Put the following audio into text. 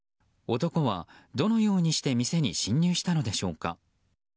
男はどのようにして店に侵入したのでしょうか。